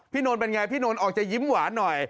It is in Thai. นนท์เป็นไงพี่นนท์ออกจะยิ้มหวานหน่อย